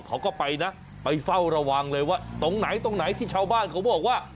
เขาก็ไปนะไปเฝ้าระวังเลยว่าตรงไหนตรงไหนที่ชาวบ้านเขาบอกว่า